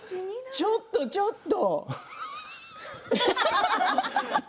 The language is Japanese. ちょっとちょっと。